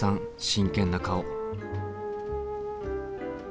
真剣な顔。